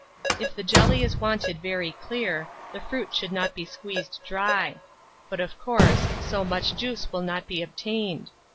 If the jelly is wanted very clear, the fruit should not be squeezed dry; but, of course, so much juice will not be obtained.